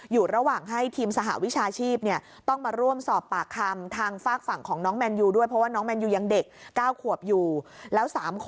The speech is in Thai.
อยู่ระหว่างให้ทีมสหวิชาชีพต้องมาร่วมสอบปากคำ